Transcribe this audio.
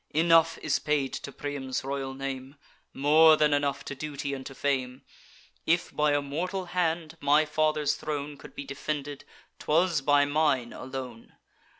Enough is paid to Priam's royal name, More than enough to duty and to fame. If by a mortal hand my father's throne Could be defended, 'twas by mine alone.